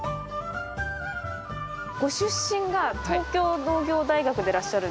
ご出身が東京農業大学でらっしゃる。